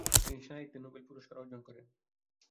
তিনি সাহিত্যে নোবেল পুরস্কার অর্জন করেন।